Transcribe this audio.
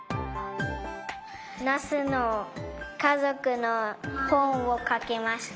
ナスのかぞくの本をかきました。